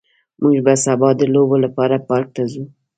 موږ به سبا د لوبو لپاره پارک ته ځو